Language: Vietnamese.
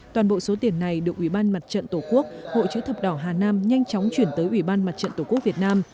toàn bộ số tiền này được ủy ban mặt trận tổ quốc hội chữ thập đỏ hà nam nhanh chóng chuyển tới ủy ban mặt trận tổ quốc việt nam